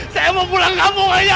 saya mau pulang kampung aja